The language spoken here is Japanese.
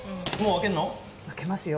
開けますよ。